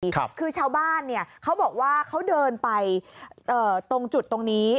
คือชาวบ้านเขาบอกว่าเขาเดินไปตรงจุดตรงนี้